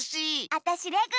あたしレグ。